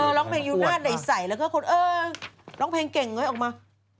ร้องเพลงอยู่หน้าใดใสแล้วก็คนเออร้องเพลงเก่งเฮ้ยออกมา